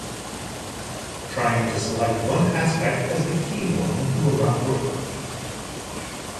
Trying to select one aspect as the key one will not work.